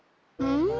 うん！